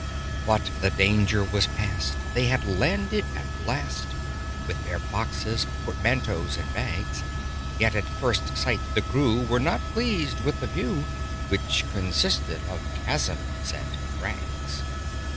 But the danger was past they had landed at last, With their boxes, portmanteaus, and bags: Yet at first sight the crew were not pleased with the view, Which consisted of chasms and crags.